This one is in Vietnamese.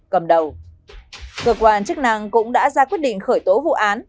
cơ quan chức năng cũng đã ra quyết định khởi tố vụ án